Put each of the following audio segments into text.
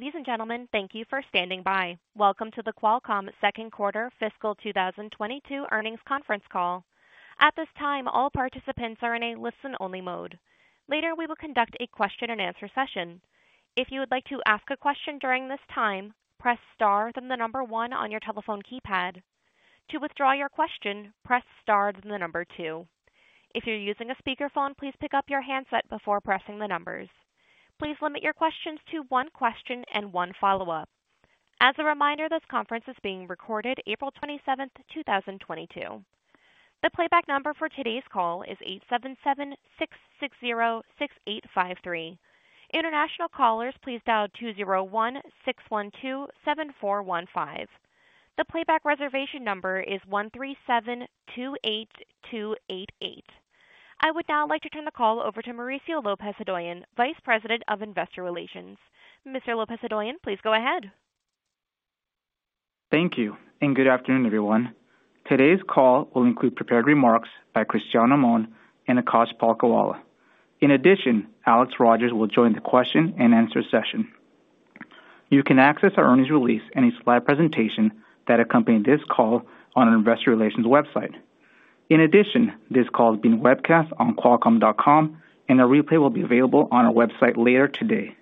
Ladies and gentlemen, thank you for standing by. Welcome to the Qualcomm Second Quarter Fiscal 2022 Earnings Conference Call. At this time, all participants are in a listen-only mode. Later, we will conduct a question-and-answer session. If you would like to ask a question during this time, press Star, then one on your telephone keypad. To withdraw your question, press Star, then two. If you're using a speakerphone, please pick up your handset before pressing the numbers. Please limit your questions to one question and one follow-up. As a reminder, this conference is being recorded April 27, 2022. The playback number for today's call is 877-660-6853. International callers please dial 201-612-7415. The playback reservation number is 137-282-88. I would now like to turn the call over to Mauricio Lopez-Hodoyan, Vice President of Investor Relations. Mr. Lopez-Hodoyan, please go ahead. Thank you, and good afternoon, everyone. Today's call will include prepared remarks by Cristiano Amon and Akash Palkhiwala. In addition, Alex Rogers will join the question-and-answer session. You can access our earnings release and its live presentation that accompany this call on our investor relations website. In addition, this call is being webcast on qualcomm.com, and a replay will be available on our website later today.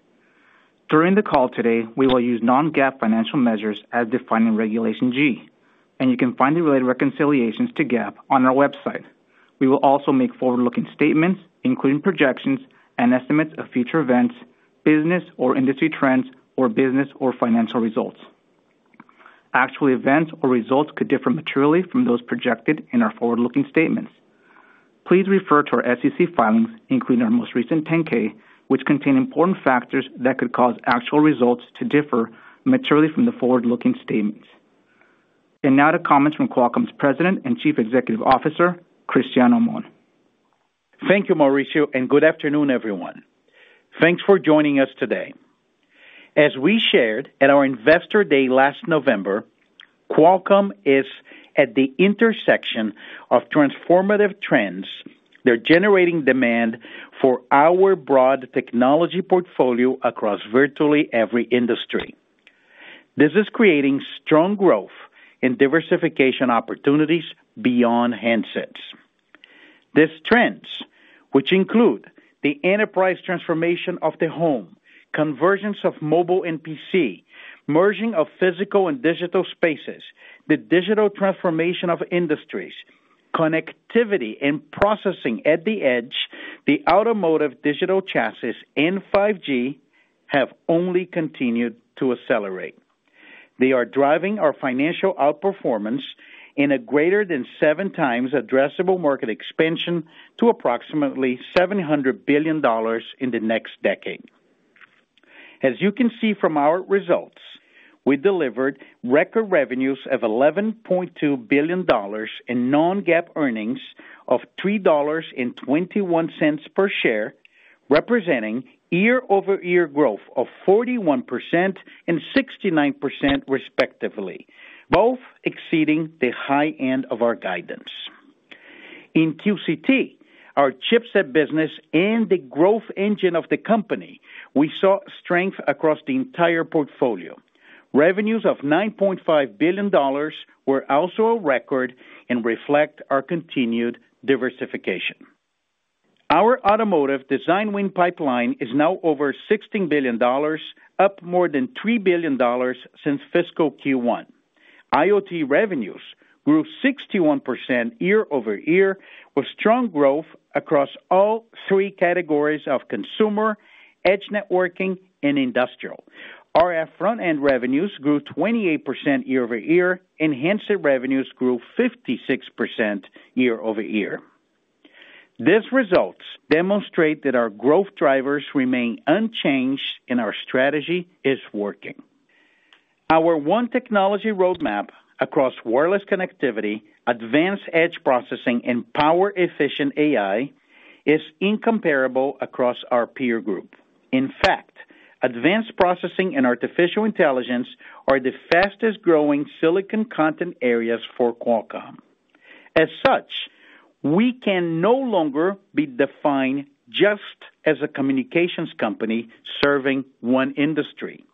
During the call today, we will use non-GAAP financial measures as defined in Regulation G, and you can find the related reconciliations to GAAP on our website. We will also make forward-looking statements, including projections and estimates of future events, business or industry trends, or business or financial results. Actual events or results could differ materially from those projected in our forward-looking statements. Please refer to our SEC filings, including our most recent 10-K, which contain important factors that could cause actual results to differ materially from the forward-looking statements. Now to comments from Qualcomm's President and Chief Executive Officer, Cristiano Amon. Thank you, Mauricio, and good afternoon, everyone. Thanks for joining us today. As we shared at our Investor Day last November, Qualcomm is at the intersection of transformative trends. They're generating demand for our broad technology portfolio across virtually every industry. This is creating strong growth in diversification opportunities beyond handsets. These trends, which include the enterprise transformation of the home, convergence of mobile and PC, merging of physical and digital spaces, the digital transformation of industries, connectivity and processing at the edge, the automotive digital chassis and 5G have only continued to accelerate. They are driving our financial outperformance in a greater than seven times addressable market expansion to approximately $700 billion in the next decade. As you can see from our results, we delivered record revenues of $11.2 billion in non-GAAP earnings of $3.21 per share, representing year-over-year growth of 41% and 69%, respectively, both exceeding the high end of our guidance. In QCT, our chipset business and the growth engine of the company, we saw strength across the entire portfolio. Revenues of $9.5 billion were also a record and reflect our continued diversification. Our automotive design win pipeline is now over $16 billion, up more than $3 billion since fiscal Q1. IoT revenues grew 61% year-over-year, with strong growth across all three categories of consumer, edge networking, and industrial. RF front-end revenues grew 28% year-over-year. Handset revenues grew 56% year-over-year. These results demonstrate that our growth drivers remain unchanged, and our strategy is working. Our one technology roadmap across wireless connectivity, advanced edge processing, and power-efficient AI is incomparable across our peer group. In fact, advanced processing and artificial intelligence are the fastest-growing silicon content areas for Qualcomm. As such, we can no longer be defined just as a communications company serving one industry.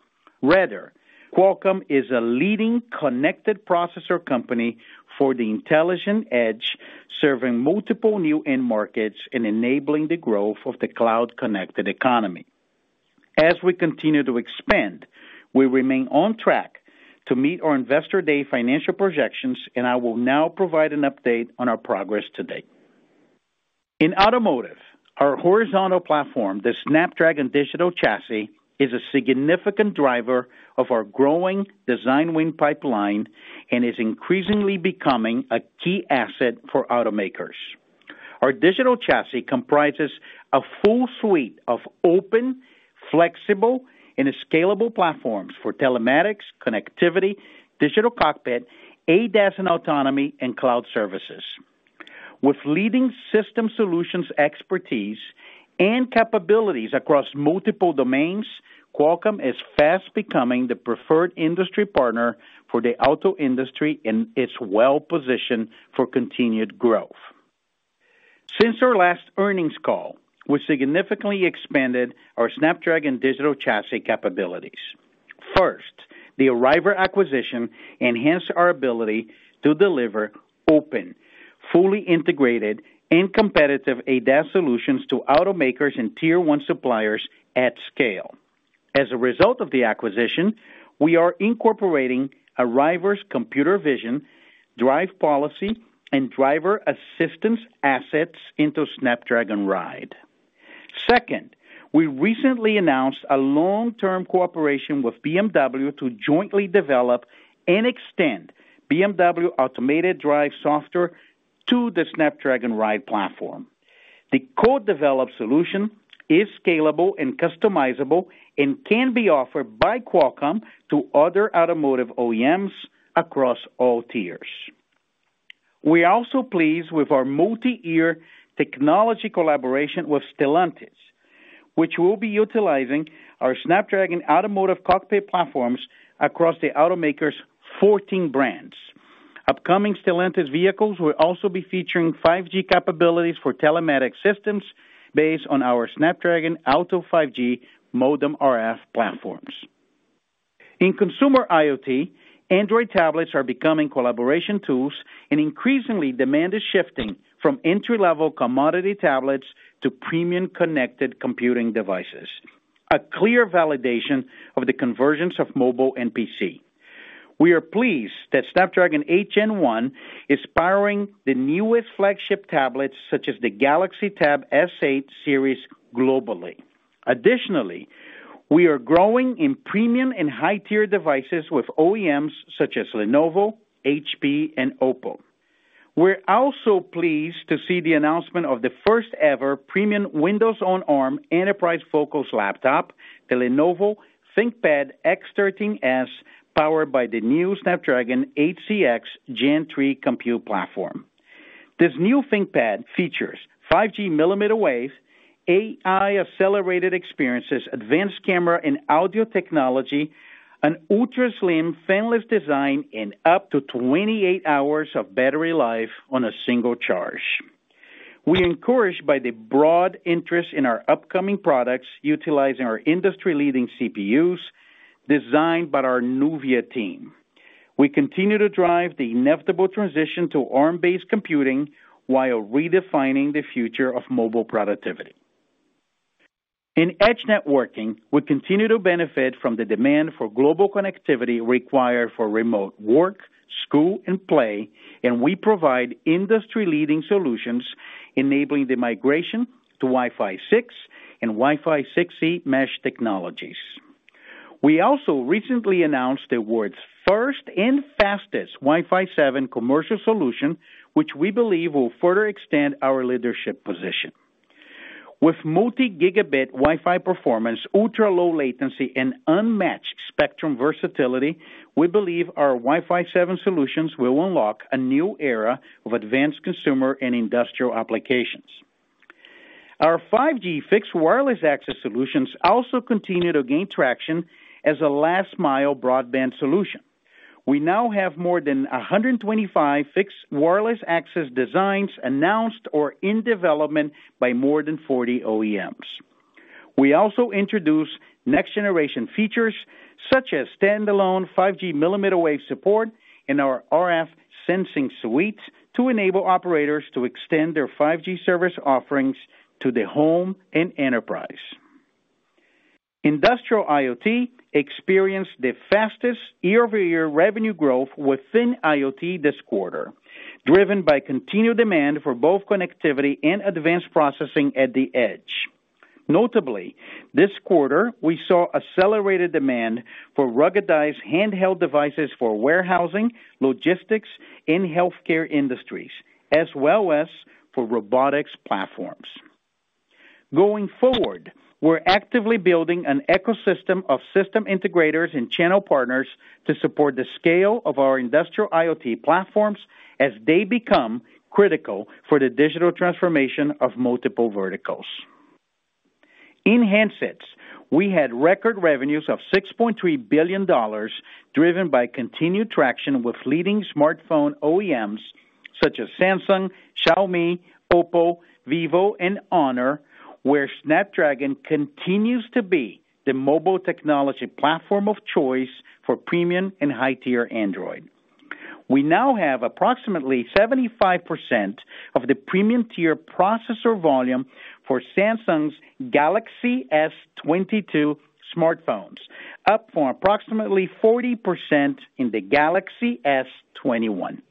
Rather, Qualcomm is a leading connected processor company for the intelligent edge, serving multiple new end markets and enabling the growth of the cloud-connected economy. As we continue to expand, we remain on track to meet our Investor Day financial projections, and I will now provide an update on our progress to date. In automotive, our horizontal platform, the Snapdragon Digital Chassis, is a significant driver of our growing design win pipeline and is increasingly becoming a key asset for automakers. Our digital chassis comprises a full suite of open, flexible, and scalable platforms for telematics, connectivity, digital cockpit, ADAS and autonomy, and cloud services. With leading system solutions expertise and capabilities across multiple domains, Qualcomm is fast becoming the preferred industry partner for the auto industry, and it's well-positioned for continued growth. Since our last earnings call, we significantly expanded our Snapdragon Digital Chassis capabilities. First, the Arriver acquisition enhanced our ability to deliver open, fully integrated and competitive ADAS solutions to automakers and tier one suppliers at scale. As a result of the acquisition, we are incorporating Arriver's computer vision, drive policy, and driver assistance assets into Snapdragon Ride. Second, we recently announced a long-term cooperation with BMW to jointly develop and extend BMW automated drive software to the Snapdragon Ride platform. The co-developed solution is scalable and customizable and can be offered by Qualcomm to other automotive OEMs across all tiers. We are also pleased with our multi-year technology collaboration with Stellantis, which will be utilizing our Snapdragon Automotive Cockpit Platforms across the automaker's 14 brands. Upcoming Stellantis vehicles will also be featuring 5G capabilities for telematics systems based on our Snapdragon Auto 5G Modem-RF platforms. In consumer IoT, Android tablets are becoming collaboration tools, and increasingly demand is shifting from entry-level commodity tablets to premium connected computing devices, a clear validation of the convergence of mobile and PC. We are pleased that Snapdragon 8 Gen 1 is powering the newest flagship tablets such as the Galaxy Tab S8 series globally. Additionally, we are growing in premium and high-tier devices with OEMs such as Lenovo, HP, and OPPO. We're also pleased to see the announcement of the first-ever premium Windows on Arm enterprise-focused laptop, the Lenovo ThinkPad X13s, powered by the new Snapdragon 8cx Gen 3 Compute Platform. This new ThinkPad features 5G millimeter wave, AI-accelerated experiences, advanced camera and audio technology, an ultra-slim fanless design and up to 28 hours of battery life on a single charge. We're encouraged by the broad interest in our upcoming products utilizing our industry-leading CPUs designed by our Nuvia team. We continue to drive the inevitable transition to Arm-based computing while redefining the future of mobile productivity. In Edge networking, we continue to benefit from the demand for global connectivity required for remote work, school, and play, and we provide industry-leading solutions enabling the migration to Wi-Fi 6 and Wi-Fi 6E mesh technologies. We also recently announced the world's first and fastest Wi-Fi 7 commercial solution, which we believe will further extend our leadership position. With multi-gigabit Wi-Fi performance, ultra-low latency, and unmatched spectrum versatility, we believe our Wi-Fi 7 solutions will unlock a new era of advanced consumer and industrial applications. Our 5G fixed wireless access solutions also continue to gain traction as a last-mile broadband solution. We now have more than 125 fixed wireless access designs announced or in development by more than 40 OEMs. We also introduced next-generation features such as standalone 5G millimeter wave support in our RF Sensing Suite to enable operators to extend their 5G service offerings to the home and enterprise. Industrial IoT experienced the fastest year-over-year revenue growth within IoT this quarter, driven by continued demand for both connectivity and advanced processing at the edge. Notably, this quarter, we saw accelerated demand for ruggedized handheld devices for warehousing, logistics, and healthcare industries, as well as for robotics platforms. Going forward, we're actively building an ecosystem of system integrators and channel partners to support the scale of our industrial IoT platforms as they become critical for the digital transformation of multiple verticals. In handsets, we had record revenues of $6.3 billion, driven by continued traction with leading smartphone OEMs such as Samsung, Xiaomi, OPPO, vivo, and HONOR, where Snapdragon continues to be the mobile technology platform of choice for premium and high-tier Android. We now have approximately 75% of the premium-tier processor volume for Samsung's Galaxy S22 smartphones, up from approximately 40% in the Galaxy S21.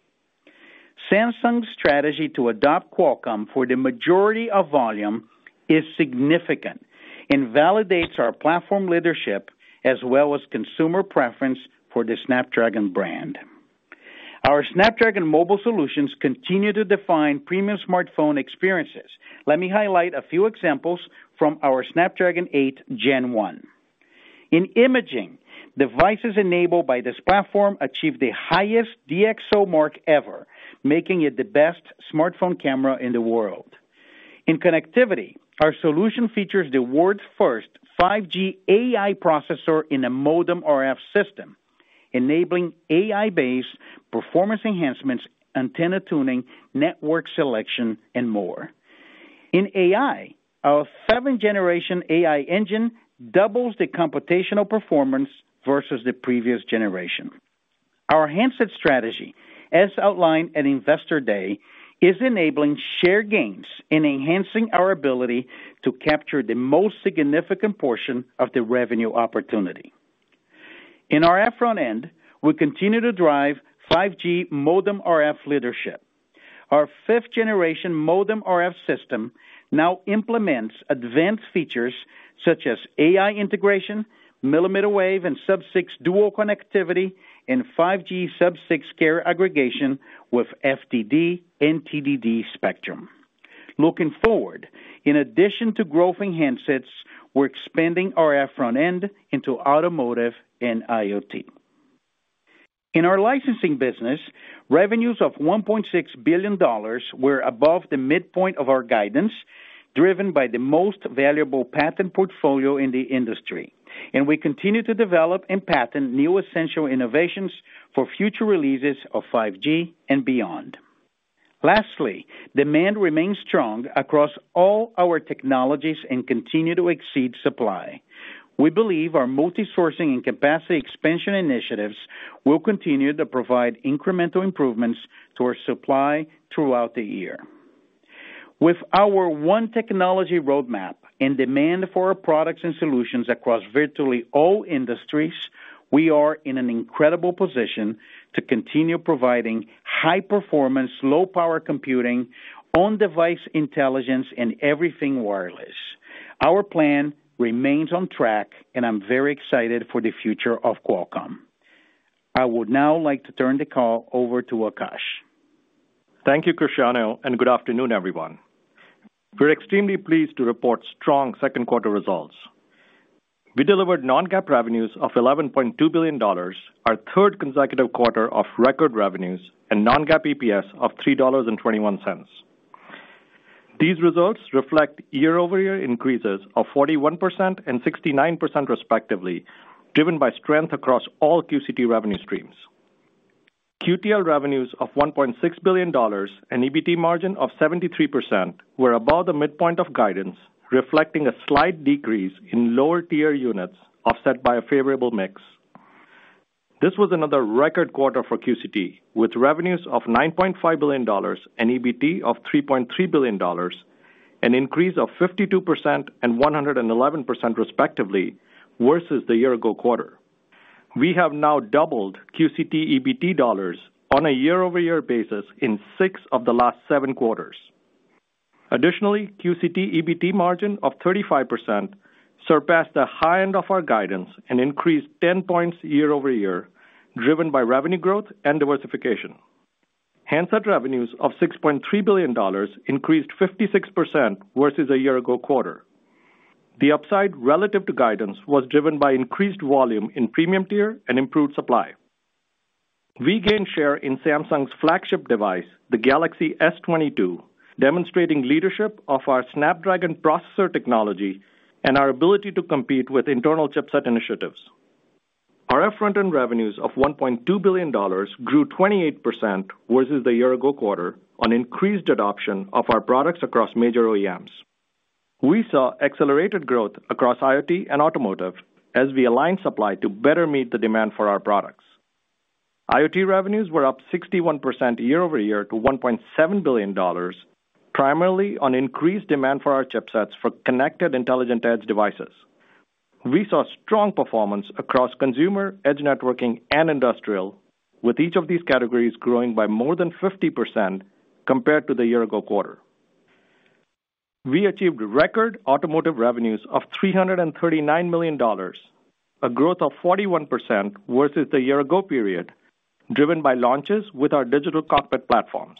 Samsung's strategy to adopt Qualcomm for the majority of volume is significant and validates our platform leadership as well as consumer preference for the Snapdragon brand. Our Snapdragon mobile solutions continue to define premium smartphone experiences. Let me highlight a few examples from our Snapdragon 8 Gen 1. In imaging, devices enabled by this platform achieve the highest DXOMARK ever, making it the best smartphone camera in the world. In connectivity, our solution features the world's first 5G AI processor in a Modem-RF system. Enabling AI-based performance enhancements, antenna tuning, network selection, and more. In AI, our seventh generation AI engine doubles the computational performance versus the previous generation. Our handset strategy, as outlined at Investor Day, is enabling share gains in enhancing our ability to capture the most significant portion of the revenue opportunity. In our front-end, we continue to drive 5G modem-RF leadership. Our fifth generation modem RF system now implements advanced features such as AI integration, millimeter wave, and sub-6 dual connectivity, and 5G sub-6 carrier aggregation with FDD and TDD spectrum. Looking forward, in addition to growth in handsets, we're expanding RF front-end into automotive and IoT. In our licensing business, revenues of $1.6 billion were above the midpoint of our guidance, driven by the most valuable patent portfolio in the industry. We continue to develop and patent new essential innovations for future releases of 5G and beyond. Lastly, demand remains strong across all our technologies and continue to exceed supply. We believe our multi-sourcing and capacity expansion initiatives will continue to provide incremental improvements to our supply throughout the year. With our one technology roadmap and demand for our products and solutions across virtually all industries, we are in an incredible position to continue providing high performance, low power computing on device intelligence and everything wireless. Our plan remains on track, and I'm very excited for the future of Qualcomm. I would now like to turn the call over to Akash. Thank you, Cristiano, and good afternoon, everyone. We're extremely pleased to report strong second quarter results. We delivered non-GAAP revenues of $11.2 billion, our third consecutive quarter of record revenues and non-GAAP EPS of $3.21. These results reflect year-over-year increases of 41% and 69% respectively, driven by strength across all QCT revenue streams. QTL revenues of $1.6 billion and EBT margin of 73% were above the midpoint of guidance, reflecting a slight decrease in lower tier units, offset by a favorable mix. This was another record quarter for QCT, with revenues of $9.5 billion and EBT of $3.3 billion, an increase of 52% and 111% respectively versus the year ago quarter. We have now doubled QCT EBT dollars on a year-over-year basis in six of the last seven quarters. Additionally, QCT EBT margin of 35% surpassed the high end of our guidance and increased 10 points year-over-year, driven by revenue growth and diversification. Handset revenues of $6.3 billion increased 56% versus a year ago quarter. The upside relative to guidance was driven by increased volume in premium tier and improved supply. We gained share in Samsung's flagship device, the Galaxy S22, demonstrating leadership of our Snapdragon processor technology and our ability to compete with internal chipset initiatives. RF front-end revenues of $1.2 billion grew 28% versus the year ago quarter on increased adoption of our products across major OEMs. We saw accelerated growth across IoT and automotive as we aligned supply to better meet the demand for our products. IoT revenues were up 61% year-over-year to $1.7 billion, primarily on increased demand for our chipsets for connected intelligent edge devices. We saw strong performance across consumer, edge networking, and industrial, with each of these categories growing by more than 50% compared to the year-ago quarter. We achieved record automotive revenues of $339 million, a growth of 41% versus the year-ago period, driven by launches with our digital cockpit platforms.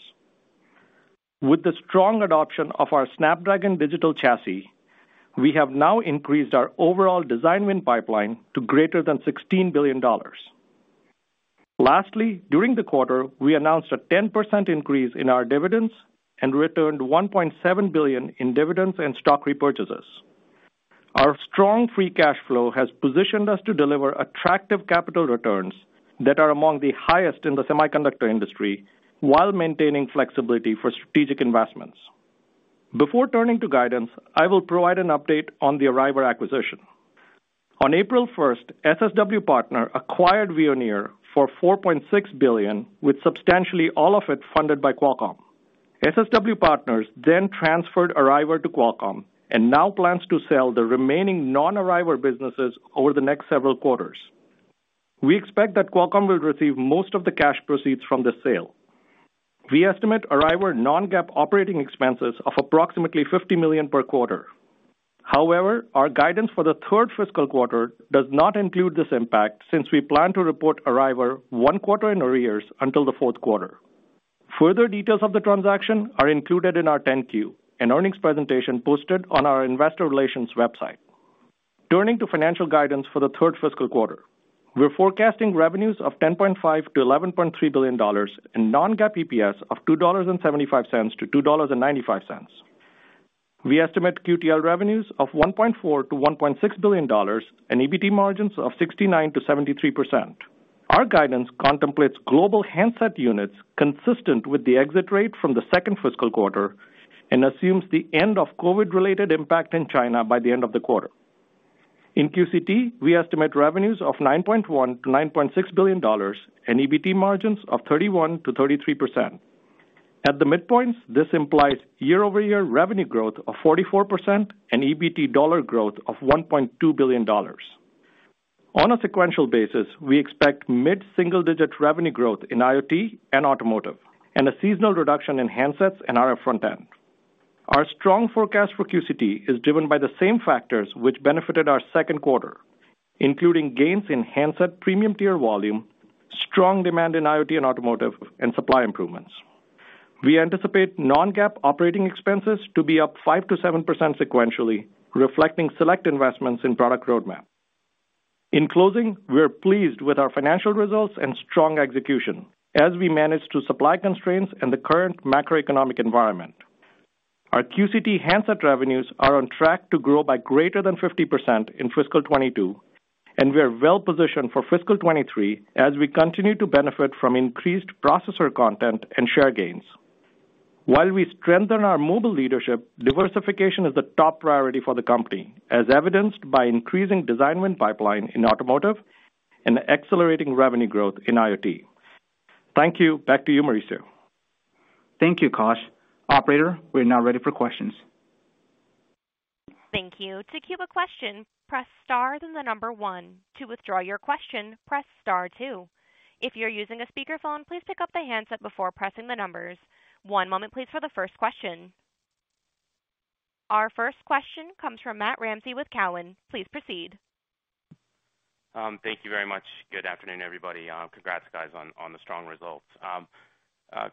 With the strong adoption of our Snapdragon Digital Chassis, we have now increased our overall design win pipeline to greater than $16 billion. Lastly, during the quarter, we announced a 10% increase in our dividends and returned $1.7 billion in dividends and stock repurchases. Our strong free cash flow has positioned us to deliver attractive capital returns that are among the highest in the semiconductor industry while maintaining flexibility for strategic investments. Before turning to guidance, I will provide an update on the Arriver acquisition. On April 1, SSW Partners acquired Veoneer for $4.6 billion, with substantially all of it funded by Qualcomm. SSW Partners then transferred Arriver to Qualcomm and now plans to sell the remaining non-Arriver businesses over the next several quarters. We expect that Qualcomm will receive most of the cash proceeds from the sale. We estimate Arriver non-GAAP operating expenses of approximately $50 million per quarter. However, our guidance for the third fiscal quarter does not include this impact since we plan to report Arriver one quarter in arrears until the fourth quarter. Further details of the transaction are included in our 10-Q, an earnings presentation posted on our investor relations website. Turning to financial guidance for the third fiscal quarter. We're forecasting revenues of $10.5 billion-$11.3 billion and non-GAAP EPS of $2.75-$2.95. We estimate QTL revenues of $1.4 billion-$1.6 billion and EBT margins of 69%-73%. Our guidance contemplates global handset units consistent with the exit rate from the second fiscal quarter and assumes the end of COVID related impact in China by the end of the quarter. In QCT, we estimate revenues of $9.1 billion-$9.6 billion and EBT margins of 31%-33%. At the midpoints, this implies year-over-year revenue growth of 44% and EBT dollar growth of $1.2 billion. On a sequential basis, we expect mid-single digit revenue growth in IoT and automotive and a seasonal reduction in handsets and RF front-end. Our strong forecast for QCT is driven by the same factors which benefited our second quarter, including gains in handset premium tier volume, strong demand in IoT and automotive and supply improvements. We anticipate non-GAAP operating expenses to be up 5%-7% sequentially, reflecting select investments in product roadmap. In closing, we are pleased with our financial results and strong execution as we manage to supply constraints in the current macroeconomic environment. Our QCT handset revenues are on track to grow by greater than 50% in fiscal 2022, and we are well positioned for fiscal 2023 as we continue to benefit from increased processor content and share gains. While we strengthen our mobile leadership, diversification is the top priority for the company, as evidenced by increasing design win pipeline in automotive and accelerating revenue growth in IoT. Thank you. Back to you, Mauricio. Thank you, Kash. Operator, we're now ready for questions. Thank you. To queue a question, press Star, then the number one. To withdraw your question, press star two. If you're using a speakerphone, please pick up the handset before pressing the numbers. One moment please for the first question. Our first question comes from Matt Ramsay with Cowen. Please proceed. Thank you very much. Good afternoon, everybody. Congrats guys on the strong results.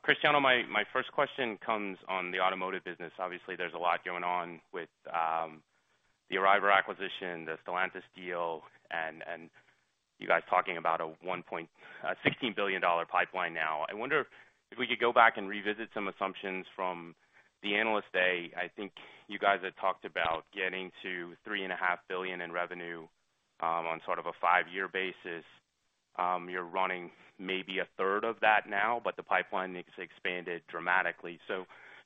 Cristiano, my first question comes on the automotive business. Obviously, there's a lot going on with the Arriver acquisition, the Stellantis deal, and you guys talking about a $1.6 billion pipeline now. I wonder if we could go back and revisit some assumptions from the Analyst Day. I think you guys had talked about getting to $3.5 billion in revenue on sort of a five-year basis. You're running maybe a third of that now, but the pipeline makes it expanded dramatically.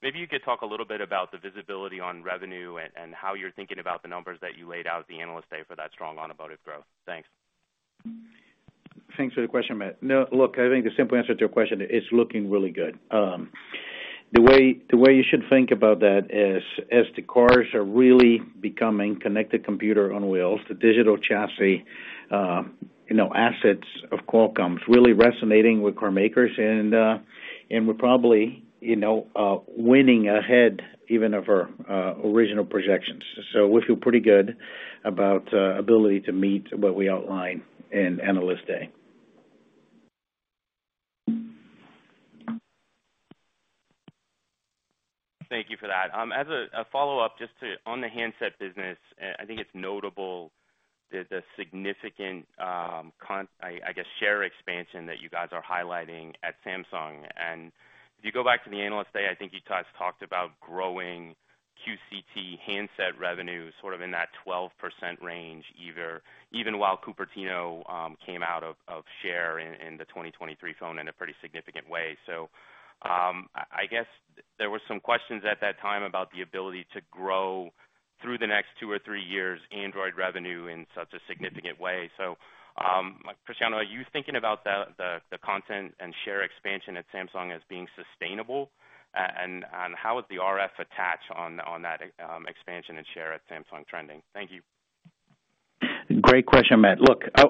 Maybe you could talk a little bit about the visibility on revenue and how you're thinking about the numbers that you laid out at the Analyst Day for that strong automotive growth. Thanks. Thanks for the question, Matt. No, look, I think the simple answer to your question, it's looking really good. The way you should think about that is, as the cars are really becoming connected computer on wheels, the digital chassis, you know, assets of Qualcomm's really resonating with car makers. We're probably, you know, winning ahead even of our original projections. We feel pretty good about ability to meet what we outlined in Analyst Day. Thank you for that. As a follow-up, just on the handset business, I think it's notable the significant share expansion that you guys are highlighting at Samsung. If you go back to the Analyst Day, I think you guys talked about growing QCT handset revenue sort of in that 12% range, even while Cupertino came out of share in the 2023 phone in a pretty significant way. I guess there were some questions at that time about the ability to grow through the next two or three years Android revenue in such a significant way. Cristiano, are you thinking about the content and share expansion at Samsung as being sustainable? And how is the RF attach on that expansion and share at Samsung trending? Thank you. Great question, Matt. Look, I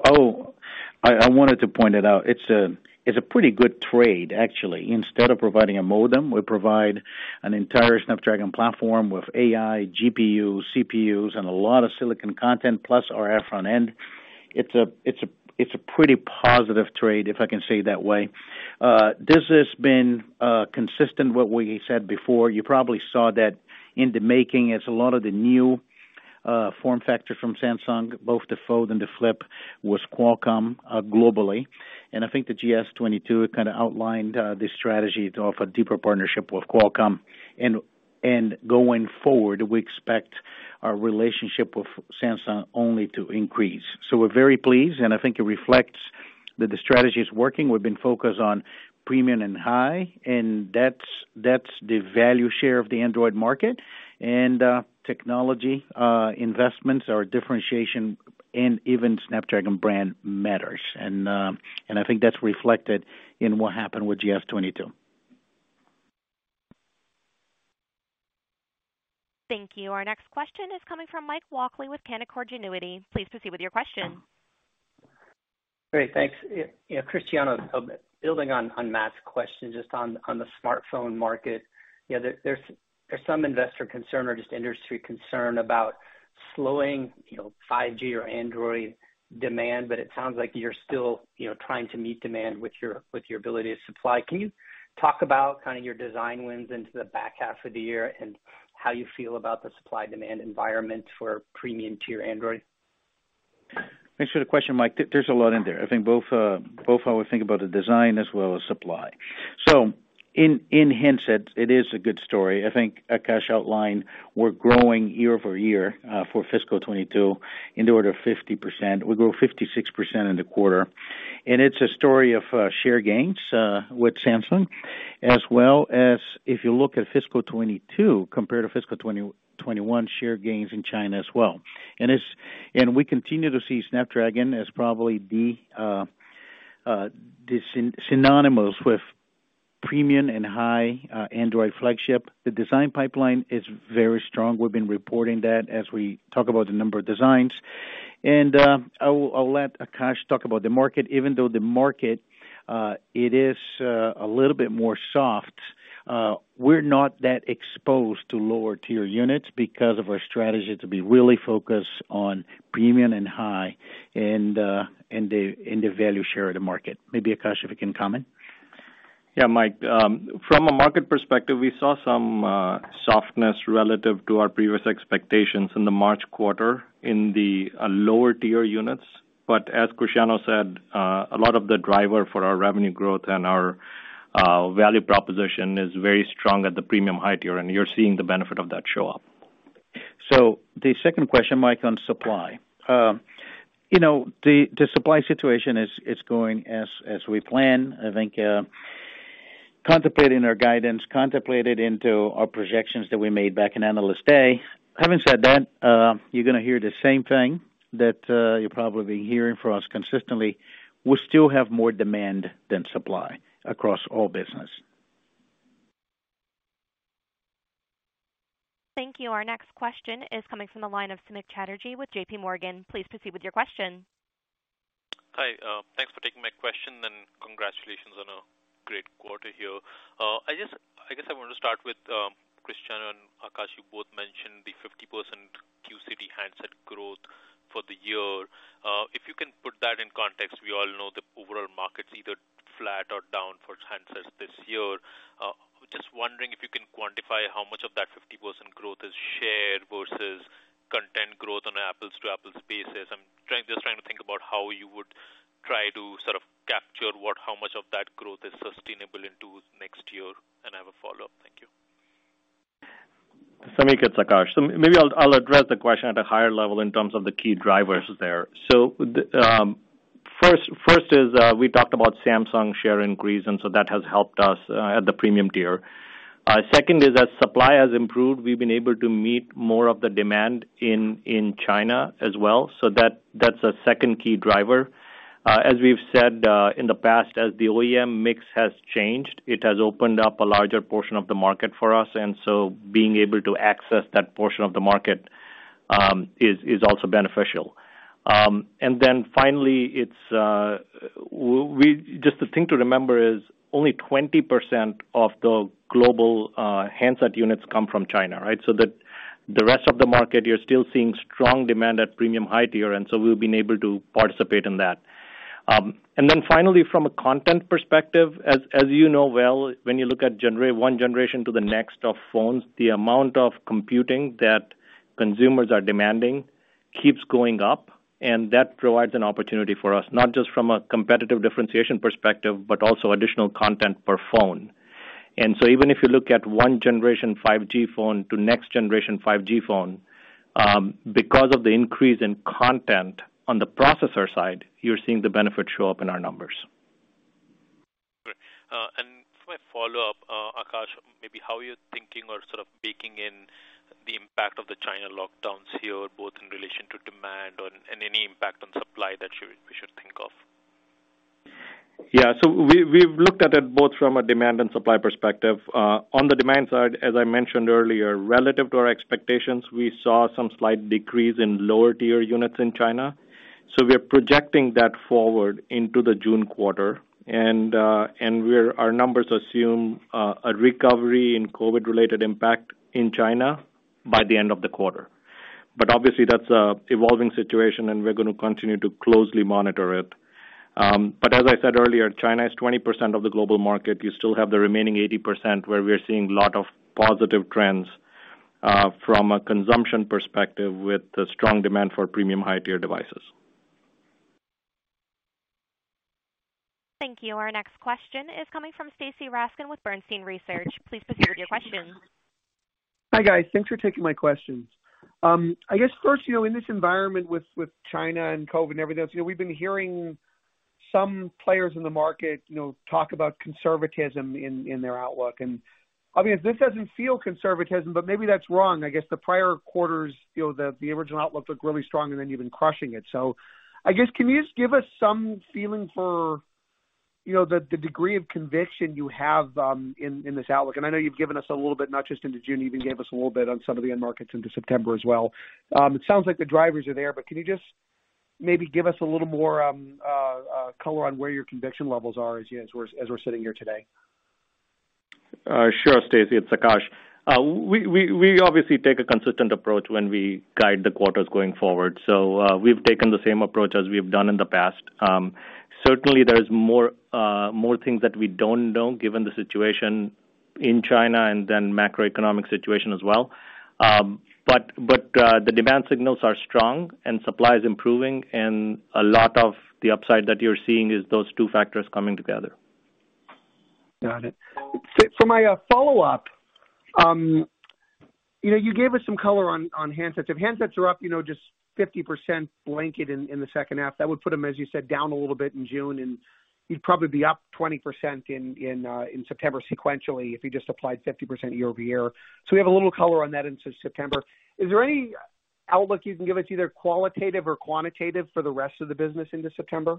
wanted to point it out. It's a pretty good trade actually. Instead of providing a modem, we provide an entire Snapdragon platform with AI, GPU, CPUs, and a lot of silicon content, plus RF front end. It's a pretty positive trade, if I can say it that way. This has been consistent with what we said before. You probably saw that in the making as a lot of the new form factor from Samsung, both the Fold and the Flip, was Qualcomm globally. I think the GS22 kind of outlined the strategy to offer deeper partnership with Qualcomm. Going forward, we expect our relationship with Samsung only to increase. We're very pleased, and I think it reflects that the strategy is working. We've been focused on premium and high, and that's the value share of the Android market. Technology investments or differentiation and even Snapdragon brand matters. I think that's reflected in what happened with GS22. Thank you. Our next question is coming from Mike Walkley with Canaccord Genuity. Please proceed with your question. Great. Thanks. You know, Cristiano, building on Matt's question just on the smartphone market. You know, there's some investor concern or just industry concern about slowing, you know, 5G or Android demand, but it sounds like you're still, you know, trying to meet demand with your ability to supply. Can you talk about kind of your design wins into the back half of the year and how you feel about the supply demand environment for premium tier Android? Thanks for the question, Mike. There's a lot in there. I think both how we think about the design as well as supply. In handsets, it is a good story. I think Akash outlined, we're growing year over year for fiscal 2022 in the order of 50%. We grew 56% in the quarter. It's a story of share gains with Samsung as well as if you look at fiscal 2022 compared to fiscal 2021 share gains in China as well. We continue to see Snapdragon as probably the synonymous with premium and high Android flagship. The design pipeline is very strong. We've been reporting that as we talk about the number of designs. I'll let Akash talk about the market. Even though the market it is a little bit more soft, we're not that exposed to lower tier units because of our strategy to be really focused on premium and high and in the value share of the market. Maybe Akash, if you can comment. Yeah, Mike. From a market perspective, we saw some softness relative to our previous expectations in the March quarter in the lower tier units. As Cristiano said, a lot of the driver for our revenue growth and our value proposition is very strong at the premium high tier, and you're seeing the benefit of that show up. The second question, Mike, on supply. You know, the supply situation is going as we plan. I think contemplating our guidance contemplated into our projections that we made back in Analyst Day. Having said that, you're gonna hear the same thing that you're probably hearing from us consistently. We still have more demand than supply across all business. Thank you. Our next question is coming from the line of Samik Chatterjee with J.P. Morgan. Please proceed with your question. Hi, thanks for taking my question and congratulations on a great quarter here. I guess I wanted to start with, Cristiano and Akash, you both mentioned the 50% QCT handset growth for the year. Just wondering if you can quantify how much of that 50% growth is shared versus content growth on an apples-to-apples basis. I'm trying to think about how you would try to sort of capture what, how much of that growth is sustainable into next year. I have a follow-up. Thank you. Samik, it's Akash. Maybe I'll address the question at a higher level in terms of the key drivers there. The first is we talked about Samsung share increase, and so that has helped us at the premium tier. Second is as supply has improved, we've been able to meet more of the demand in China as well, so that's a second key driver. As we've said in the past, as the OEM mix has changed, it has opened up a larger portion of the market for us, and so being able to access that portion of the market is also beneficial. Finally, it's just the thing to remember is only 20% of the global handset units come from China, right? The rest of the market, you're still seeing strong demand at premium high tier, and we've been able to participate in that. From a content perspective, as you know well, when you look at one generation to the next of phones, the amount of computing that consumers are demanding keeps going up, and that provides an opportunity for us, not just from a competitive differentiation perspective, but also additional content per phone. Even if you look at one generation 5G phone to next generation 5G phone, because of the increase in content on the processor side, you're seeing the benefit show up in our numbers. Great. For my follow-up, Akash, maybe how are you thinking or sort of baking in the impact of the China lockdowns here, both in relation to demand and any impact on supply that we should think of? Yeah. We've looked at it both from a demand and supply perspective. On the demand side, as I mentioned earlier, relative to our expectations, we saw some slight decrease in lower tier units in China. We're projecting that forward into the June quarter. Our numbers assume a recovery in COVID-related impact in China by the end of the quarter. Obviously, that's an evolving situation, and we're gonna continue to closely monitor it. As I said earlier, China is 20% of the global market. You still have the remaining 80% where we are seeing a lot of positive trends from a consumption perspective with the strong demand for premium high tier devices. Thank you. Our next question is coming from Stacy Rasgon with Bernstein Research. Please proceed with your question. Hi, guys. Thanks for taking my questions. I guess first, you know, in this environment with China and COVID and everything else, you know, we've been hearing some players in the market, you know, talk about conservatism in their outlook. Obviously this doesn't feel conservatism, but maybe that's wrong. I guess the prior quarters, you know, the original outlook looked really strong and then you've been crushing it. I guess, can you just give us some feeling for, you know, the degree of conviction you have in this outlook? I know you've given us a little bit, not just into June, you even gave us a little bit on some of the end markets into September as well. It sounds like the drivers are there, but can you just maybe give us a little more color on where your conviction levels are as we're sitting here today? Sure, Stacy. It's Akash. We obviously take a consistent approach when we guide the quarters going forward. We've taken the same approach as we've done in the past. Certainly there's more things that we don't know given the situation in China and then macroeconomic situation as well. But the demand signals are strong and supply is improving, and a lot of the upside that you're seeing is those two factors coming together. Got it. For my follow-up, you gave us some color on handsets. If handsets are up just 50% blanket in the second half, that would put them, as you said, down a little bit in June, and you'd probably be up 20% in September sequentially if you just applied 50% year-over-year. We have a little color on that into September. Is there any outlook you can give us, either qualitative or quantitative for the rest of the business into September?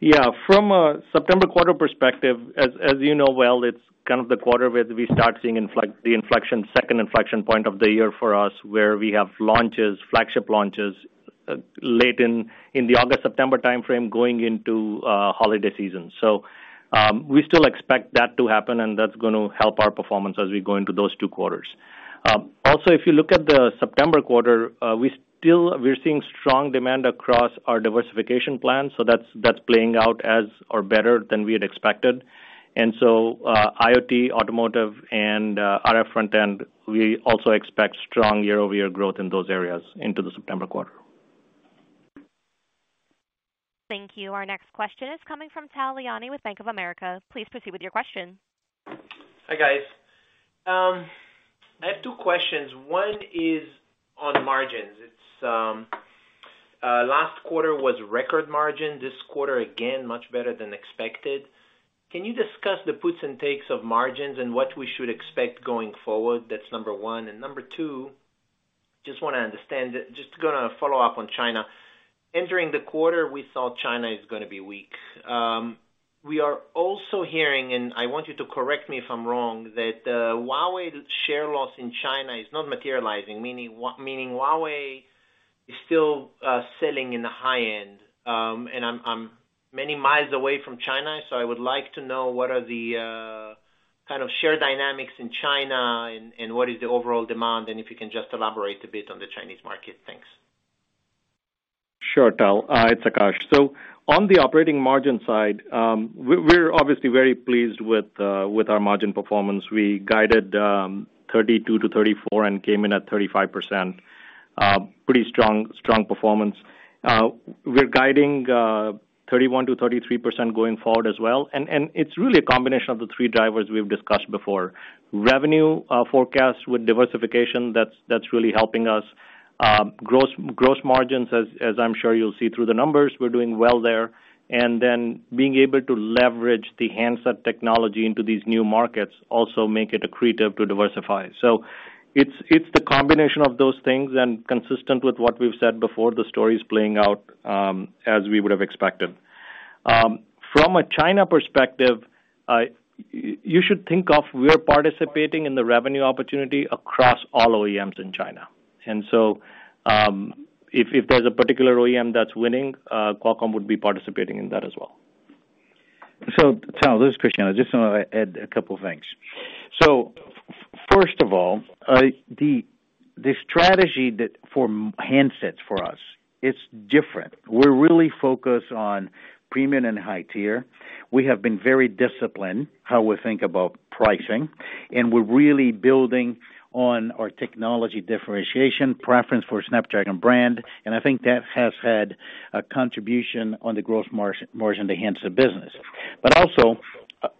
Yeah. From a September quarter perspective, as you know well, it's kind of the quarter where we start seeing the inflection, second inflection point of the year for us, where we have launches, flagship launches, late in the August-September timeframe going into holiday season. So, we still expect that to happen, and that's gonna help our performance as we go into those two quarters. Also, if you look at the September quarter, we're seeing strong demand across our diversification plan, so that's playing out as or better than we had expected. IoT, automotive and RF front-end, we also expect strong year-over-year growth in those areas into the September quarter. Thank you. Our next question is coming from Tal Liani with Bank of America. Please proceed with your question. Hi, guys. I have two questions. One is on margins. It's last quarter was record margin. This quarter, again, much better than expected. Can you discuss the puts and takes of margins and what we should expect going forward? That's number one. Number two, just wanna understand, just gonna follow up on China. Entering the quarter, we thought China is gonna be weak. We are also hearing, and I want you to correct me if I'm wrong, that Huawei share loss in China is not materializing. Meaning Huawei is still selling in the high end. I'm many miles away from China, so I would like to know what are the kind of share dynamics in China and what is the overall demand, and if you can just elaborate a bit on the Chinese market. Thanks. Sure, Tal. It's Akash. On the operating margin side, we're obviously very pleased with our margin performance. We guided 32%-34% and came in at 35%. Pretty strong performance. We're guiding 31%-33% going forward as well. It's really a combination of the three drivers we've discussed before. Revenue forecast with diversification, that's really helping us. Gross margins, as I'm sure you'll see through the numbers, we're doing well there. Then being able to leverage the handset technology into these new markets also make it accretive to diversify. It's the combination of those things. Consistent with what we've said before, the story is playing out as we would have expected. From a China perspective, you should think of we're participating in the revenue opportunity across all OEMs in China. If there's a particular OEM that's winning, Qualcomm would be participating in that as well. Tal, this is Cristiano. Just wanna add a couple of things. First of all, the strategy that for handsets for us, it's different. We're really focused on premium and high tier. We have been very disciplined how we think about pricing, and we're really building on our technology differentiation preference for Snapdragon brand, and I think that has had a contribution on the growth margin, the handset business. But also,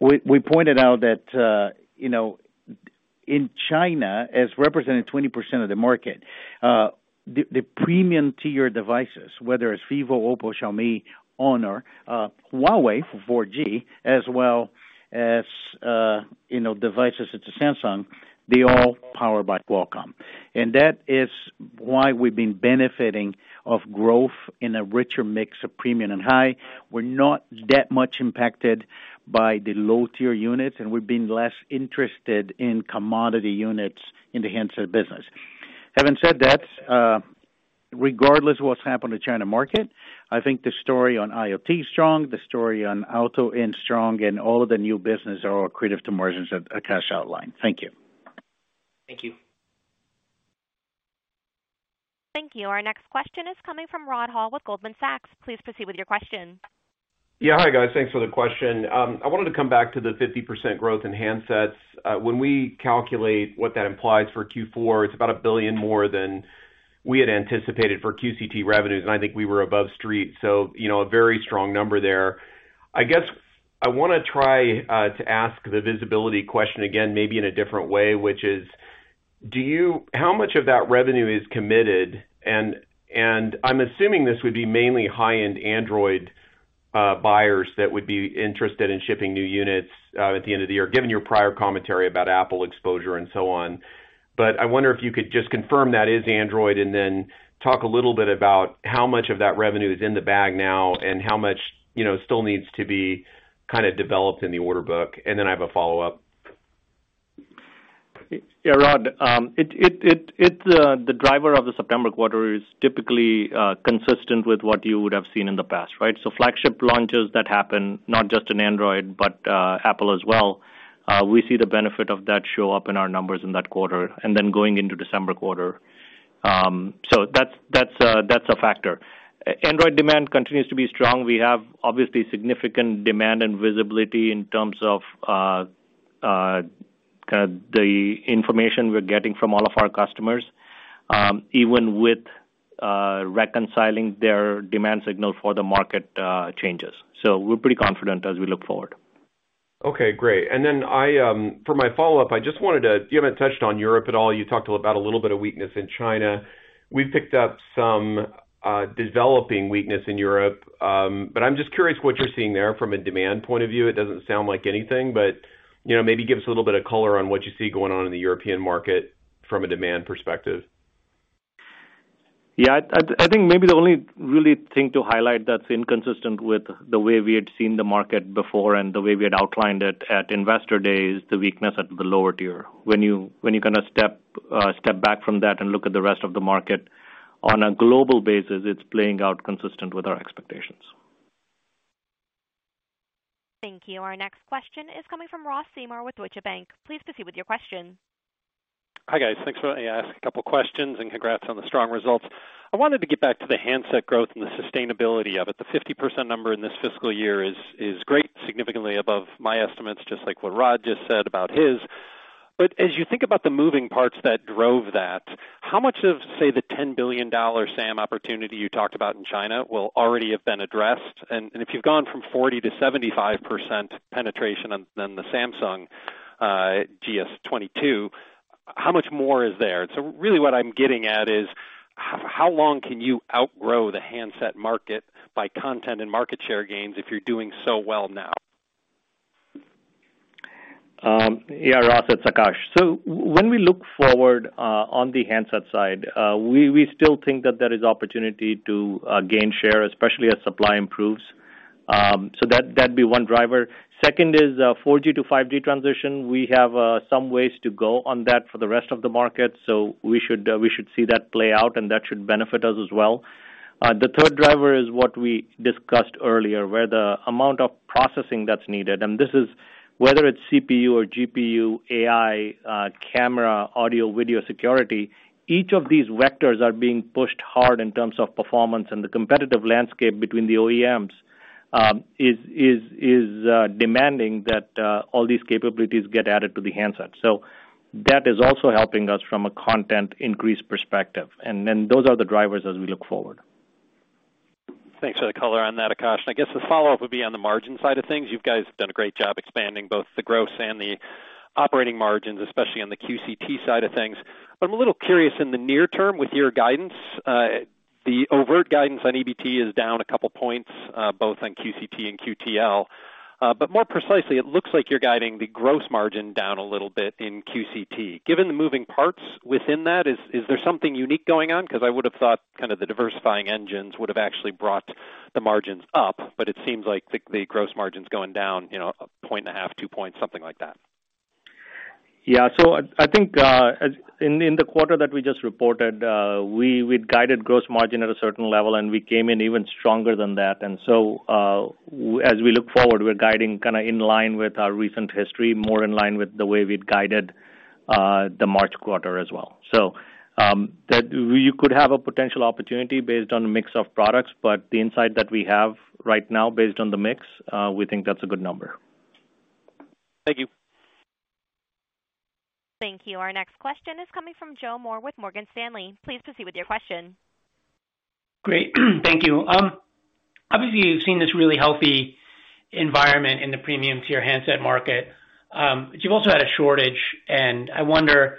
we pointed out that, you know, in China, as representing 20% of the market, the premium tier devices, whether it's Vivo, Oppo, Xiaomi, Honor, Huawei for 4G, as well as, you know, devices such as Samsung, they're all powered by Qualcomm. And that is why we've been benefiting from growth in a richer mix of premium and high. We're not that much impacted by the low tier units, and we've been less interested in commodity units in the handset business. Having said that, regardless what's happened to China market, I think the story on IoT is strong, the story on auto is strong, and all of the new business are accretive to margins that Akash outlined. Thank you. Thank you. Thank you. Our next question is coming from Rod Hall with Goldman Sachs. Please proceed with your question. Yeah. Hi, guys. Thanks for the question. I wanted to come back to the 50% growth in handsets. When we calculate what that implies for Q4, it's about $1 billion more than we had anticipated for QCT revenues, and I think we were above street, so you know, a very strong number there. I guess I wanna try to ask the visibility question again maybe in a different way, which is, how much of that revenue is committed? And I'm assuming this would be mainly high-end Android buyers that would be interested in shipping new units at the end of the year, given your prior commentary about Apple exposure and so on. I wonder if you could just confirm that is Android, and then talk a little bit about how much of that revenue is in the bag now and how much, you know, still needs to be kinda developed in the order book. I have a follow-up. Yeah, Rod. The driver of the September quarter is typically consistent with what you would have seen in the past, right? Flagship launches that happen not just in Android, but Apple as well. We see the benefit of that show up in our numbers in that quarter and then going into December quarter. That's a factor. Android demand continues to be strong. We have, obviously, significant demand and visibility in terms of kind of the information we're getting from all of our customers, even with reconciling their demand signal for the market changes. We're pretty confident as we look forward. Okay, great. For my follow-up, you haven't touched on Europe at all. You talked a little about a little bit of weakness in China. We've picked up some developing weakness in Europe, but I'm just curious what you're seeing there from a demand point of view. It doesn't sound like anything, but you know, maybe give us a little bit of color on what you see going on in the European market from a demand perspective. Yeah. I think maybe the only really thing to highlight that's inconsistent with the way we had seen the market before and the way we had outlined it at Investor Day is the weakness at the lower tier. When you kind of step back from that and look at the rest of the market, on a global basis, it's playing out consistent with our expectations. Thank you. Our next question is coming from Ross Seymore with Deutsche Bank. Please proceed with your question. Hi, guys. Thanks for letting me ask a couple questions, and congrats on the strong results. I wanted to get back to the handset growth and the sustainability of it. The 50% number in this fiscal year is great, significantly above my estimates, just like what Rod just said about his. As you think about the moving parts that drove that, how much of, say, the $10 billion SAM opportunity you talked about in China will already have been addressed? If you've gone from 40% to 75% penetration on the Samsung GS22, how much more is there? Really what I'm getting at is how long can you outgrow the handset market by content and market share gains if you're doing so well now? Ross, it's Akash. When we look forward, on the handset side, we still think that there is opportunity to gain share, especially as supply improves. That'd be one driver. Second is 4G to 5G transition. We have some ways to go on that for the rest of the market, so we should see that play out, and that should benefit us as well. The third driver is what we discussed earlier, where the amount of processing that's needed, and this is whether it's CPU or GPU, AI, camera, audio, video security, each of these vectors are being pushed hard in terms of performance and the competitive landscape between the OEMs is demanding that all these capabilities get added to the handset. That is also helping us from a content increase perspective. Those are the drivers as we look forward. Thanks for the color on that, Akash. I guess the follow-up would be on the margin side of things. You guys have done a great job expanding both the gross and the operating margins, especially on the QCT side of things. I'm a little curious in the near term with your guidance, the overt guidance on EBT is down a couple points, both on QCT and QTL. More precisely, it looks like you're guiding the gross margin down a little bit in QCT. Given the moving parts within that, is there something unique going on? 'Cause I would have thought kind of the diversifying engines would have actually brought the margins up, but it seems like the gross margin's going down, you know, a point and a half, two points, something like that. Yeah. I think in the quarter that we just reported, we'd guided gross margin at a certain level, and we came in even stronger than that. As we look forward, we're guiding kinda in line with our recent history, more in line with the way we'd guided the March quarter as well. That you could have a potential opportunity based on a mix of products, but the insight that we have right now based on the mix, we think that's a good number. Thank you. Thank you. Our next question is coming from Joe Moore with Morgan Stanley. Please proceed with your question. Great. Thank you. Obviously, you've seen this really healthy environment in the premium tier handset market, but you've also had a shortage. I wonder,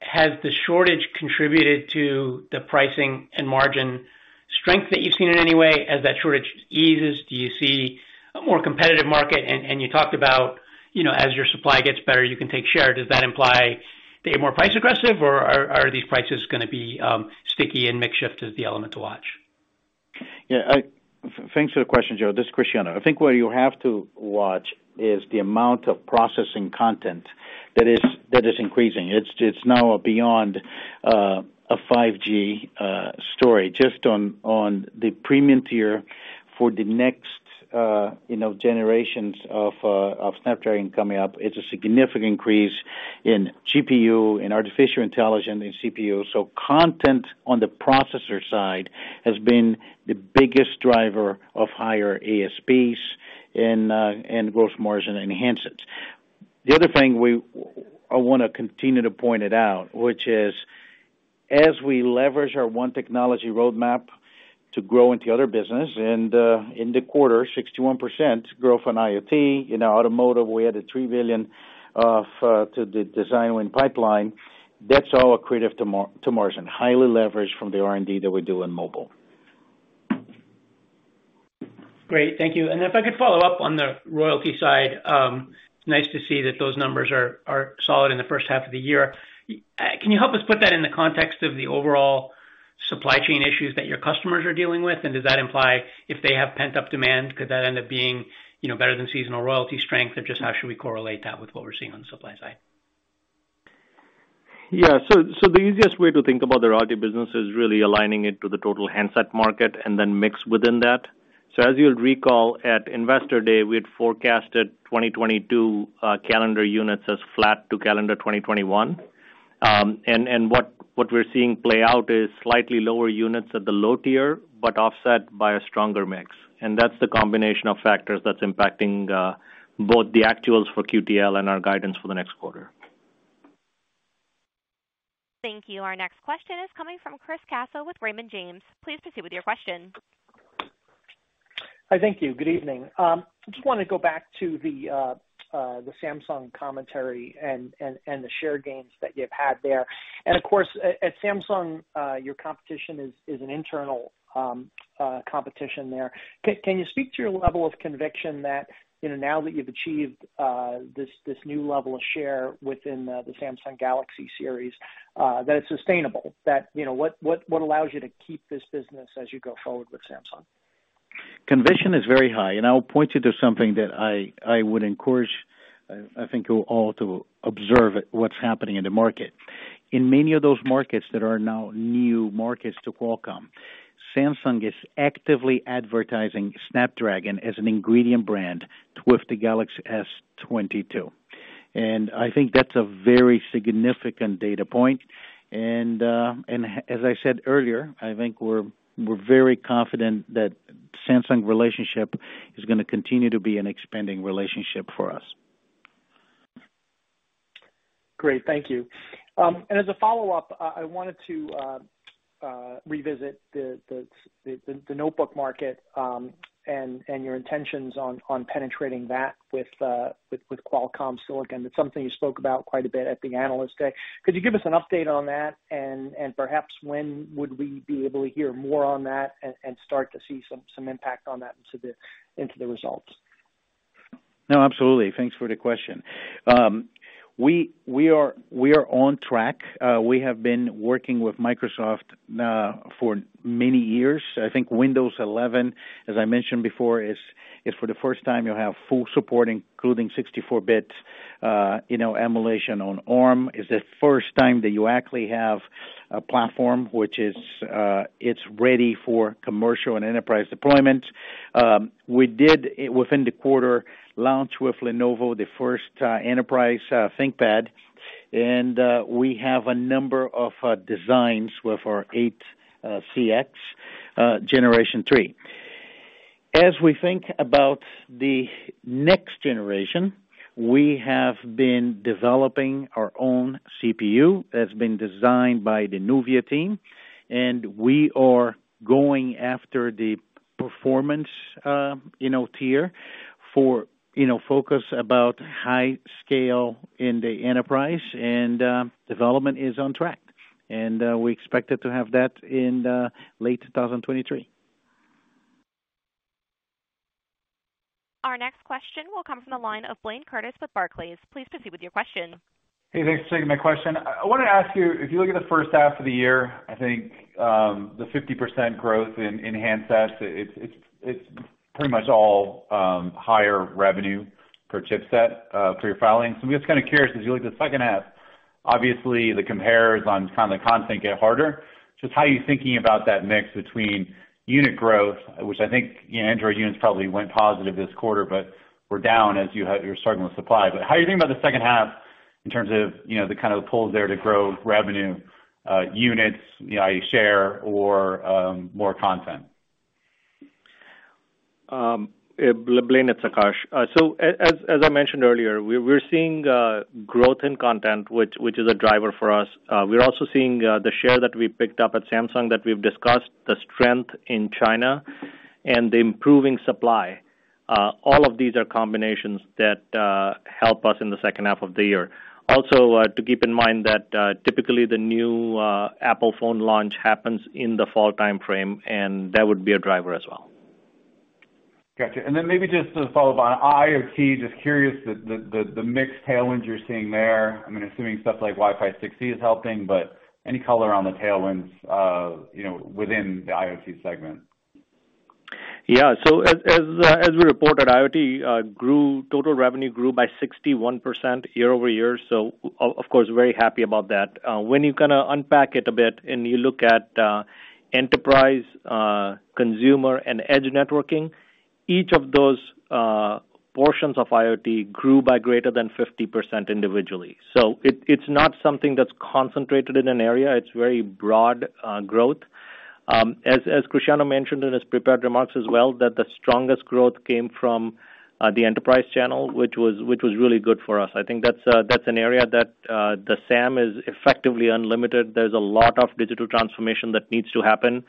has the shortage contributed to the pricing and margin strength that you've seen in any way? As that shortage eases, do you see a more competitive market? You talked about, you know, as your supply gets better, you can take share. Does that imply that you're more price aggressive, or are these prices gonna be sticky and mix shift is the element to watch? Yeah. Thanks for the question, Joe. This is Cristiano. I think where you have to watch is the amount of processing content that is increasing. It's now beyond a 5G story. Just on the premium tier for the next, you know, generations of Snapdragon coming up, it's a significant increase in GPU, in artificial intelligence, in CPU. So content on the processor side has been the biggest driver of higher ASPs and gross margin in handsets. The other thing, I want to continue to point it out, which is, as we leverage our one technology roadmap to grow into other business, and in the quarter, 61% growth on IoT. In our automotive, we added $3 billion to the design win pipeline. That's all accretive to margin, highly leveraged from the R&D that we do in mobile. Great. Thank you. If I could follow up on the royalty side, it's nice to see that those numbers are solid in the first half of the year. Can you help us put that in the context of the overall supply chain issues that your customers are dealing with? Does that imply if they have pent-up demand, could that end up being, you know, better than seasonal royalty strength, or just how should we correlate that with what we're seeing on the supply side? Yeah. The easiest way to think about the royalty business is really aligning it to the total handset market and then mix within that. As you'll recall, at Investor Day, we had forecasted 2022 calendar units as flat to calendar 2021. What we're seeing play out is slightly lower units at the low tier, but offset by a stronger mix. That's the combination of factors that's impacting both the actuals for QTL and our guidance for the next quarter. Thank you. Our next question is coming from Chris Caso with Raymond James. Please proceed with your question. Hi. Thank you. Good evening. Just wanna go back to the Samsung commentary and the share gains that you've had there. Of course, at Samsung, your competition is an internal competition there. Can you speak to your level of conviction that you know now that you've achieved this new level of share within the Samsung Galaxy series that it's sustainable? That you know what allows you to keep this business as you go forward with Samsung? Conviction is very high, and I'll point you to something that I would encourage you all to observe, what's happening in the market. In many of those markets that are now new markets to Qualcomm, Samsung is actively advertising Snapdragon as an ingredient brand with the Galaxy S22. I think that's a very significant data point. As I said earlier, I think we're very confident that Samsung relationship is gonna continue to be an expanding relationship for us. Great. Thank you. As a follow-up, I wanted to revisit the notebook market and your intentions on penetrating that with Qualcomm silicon. It's something you spoke about quite a bit at the Analyst Day. Could you give us an update on that? Perhaps when would we be able to hear more on that and start to see some impact on that into the results? No, absolutely. Thanks for the question. We are on track. We have been working with Microsoft for many years. I think Windows 11, as I mentioned before, is for the first time you have full support, including 64-bit emulation on ARM. It is the first time that you actually have a platform which is ready for commercial and enterprise deployment. We did, within the quarter, launch with Lenovo the first enterprise ThinkPad, and we have a number of designs with our 8 CX generation three. As we think about the next generation, we have been developing our own CPU that's been designed by the Nuvia team, and we are going after the performance tier for focus about high scale in the enterprise. Development is on track. We expect it to have that in late 2023. Our next question will come from the line of Blayne Curtis with Barclays. Please proceed with your question. Hey, thanks for taking my question. I wanna ask you, if you look at the first half of the year, I think the 50% growth in handsets, it's pretty much all higher revenue per chipset per your filings. I'm just kinda curious, as you look at the second half, obviously the compares on kind of the content get harder. Just how are you thinking about that mix between unit growth, which I think Android units probably went positive this quarter, but were down as you're struggling with supply. How are you thinking about the second half in terms of, you know, the kind of the pulls there to grow revenue, units, you know, i.e., share or more content? Blayne, it's Akash. As I mentioned earlier, we're seeing growth in content, which is a driver for us. We're also seeing the share that we picked up at Samsung that we've discussed, the strength in China and the improving supply. All of these are combinations that help us in the second half of the year. Also, to keep in mind that typically the new Apple phone launch happens in the fall timeframe, and that would be a driver as well. Gotcha. Then maybe just to follow up on IoT, just curious, the mixed tailwinds you're seeing there. I mean, assuming stuff like Wi-Fi 6E is helping, but any color on the tailwinds, you know, within the IoT segment? Yeah. As we reported, IoT grew, total revenue grew by 61% year-over-year. Of course, very happy about that. When you kinda unpack it a bit and you look at enterprise, consumer and edge networking, each of those portions of IoT grew by greater than 50% individually. It's not something that's concentrated in an area, it's very broad growth. As Cristiano mentioned in his prepared remarks as well, that the strongest growth came from the enterprise channel, which was really good for us. I think that's an area that the SAM is effectively unlimited. There's a lot of digital transformation that needs to happen,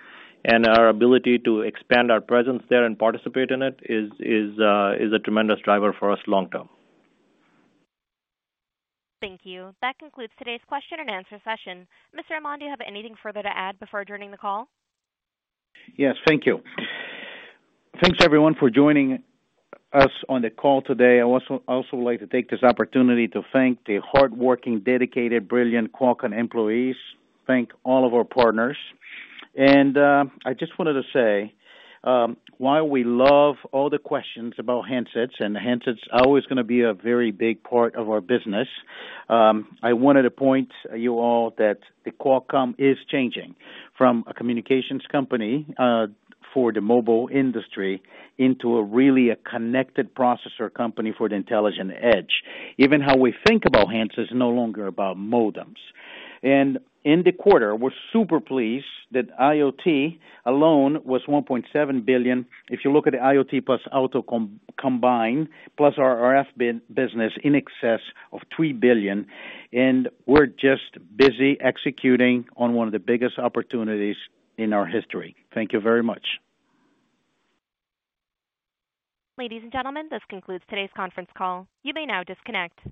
and our ability to expand our presence there and participate in it is a tremendous driver for us long term. Thank you. That concludes today's question-and-answer session. Mr. Amon, do you have anything further to add before adjourning the call? Yes, thank you. Thanks everyone for joining us on the call today. I also would like to take this opportunity to thank the hardworking, dedicated, brilliant Qualcomm employees. Thank all of our partners. I just wanted to say, while we love all the questions about handsets, and handsets are always gonna be a very big part of our business, I wanted to point you all that Qualcomm is changing from a communications company for the mobile industry into a really connected processor company for the intelligent edge. Even how we think about handsets is no longer about modems. In the quarter, we're super pleased that IoT alone was $1.7 billion. If you look at the IoT plus auto combined, plus our RF business in excess of $3 billion, and we're just busy executing on one of the biggest opportunities in our history. Thank you very much. Ladies and gentlemen, this concludes today's conference call. You may now disconnect.